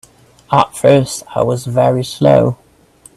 At first I was very slow.